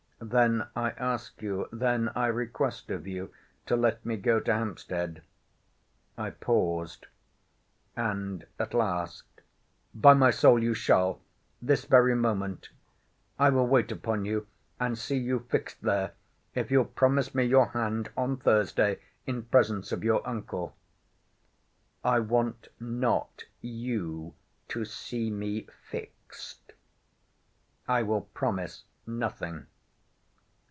Then I ask you, then I request of you, to let me go to Hampstead. I paused—And at last—By my soul you shall—this very moment I will wait upon you, and see you fixed there, if you'll promise me your hand on Thursday, in presence of your uncle. I want not you to see me fixed. I will promise nothing.